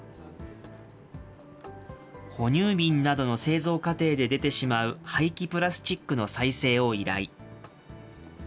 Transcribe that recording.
哺乳瓶などの製造過程で出てしまう廃棄プラスチックの再生を依頼。